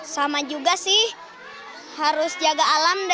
sama juga sih harus jaga alam